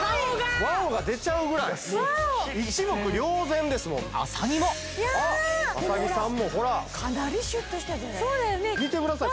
ワオ！が出ちゃうぐらい一目瞭然ですもん麻木も麻木さんもほらかなりシュッとしてんで見てください